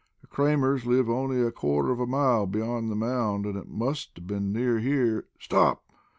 "The Kramers live only a quarter of a mile beyond the mound, and it must have been near here Stop!"